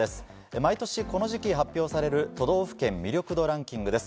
毎年この時期発表される都道府県魅力度ランキングです。